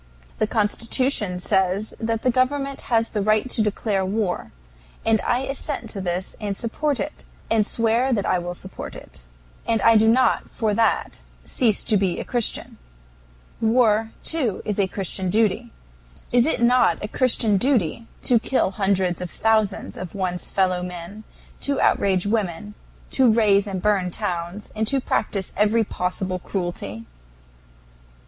The Constitution says the government has the right to declare war, and I assent to this and support it, and swear that I will support it. And I do not for that cease to be a Christian. War, too, is a Christian duty. Is it not a Christian duty to kill hundreds of thousands of one's fellow men, to outrage women, to raze and burn towns, and to practice every possible cruelty?